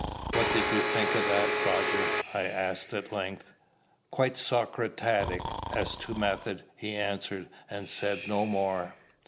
"What did you think of that, Roger?" I asked at length. "Quite Socratic as to method," he answered, and said no more.